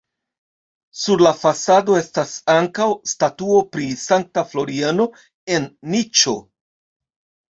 Sur la fasado estas ankaŭ statuo pri Sankta Floriano en niĉo.